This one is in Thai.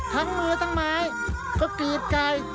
ทั้งมือทั้งหมายก็กรีดกาย